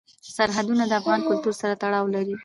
سرحدونه د افغان کلتور سره تړاو لري.